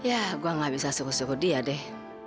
ya gue gak bisa suruh suruh dia deh